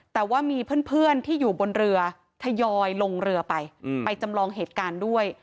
แต่ว่ามีเพื่อนที่อยู่บนเรือทยอยลงเรือไปไปจำลองเหตุการณ์ด้วย